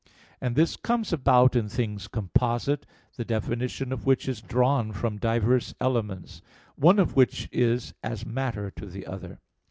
And this comes about in things composite, the definition of which is drawn from diverse elements, one of which is as matter to the other.